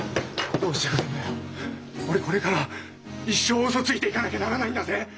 俺これから一生ウソついていかなきゃならないんだぜ！？